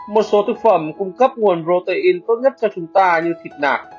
một số thực phẩm cung cấp nguồn protein tốt nhất cho chúng ta như thịt nạc